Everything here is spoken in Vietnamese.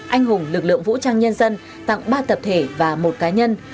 anh hùng lực lượng vũ trang nhân dân tặng ba tập thể và một cá nhân